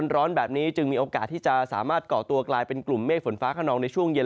ร้อนแบบนี้จึงมีโอกาสที่จะสามารถก่อตัวกลายเป็นกลุ่มเมฆฝนฟ้าขนองในช่วงเย็น